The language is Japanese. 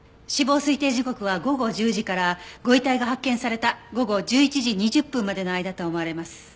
死亡推定時刻は午後１０時からご遺体が発見された午後１１時２０分までの間と思われます。